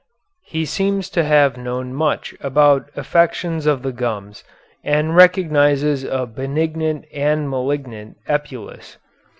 He seems to have known much about affections of the gums and recognizes a benignant and malignant epulis.